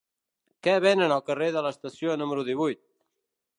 Què venen al carrer de l'Estació número divuit?